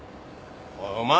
おいお前